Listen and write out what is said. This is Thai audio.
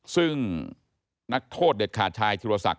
ซึ่งนักโทษเด็ดขาดชายธิรศักดิ